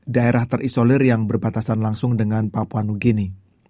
daerah terisolir yang berbatasan langsung dengan papua nugini